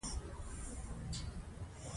ذهن او دنیا باید روښانه شي.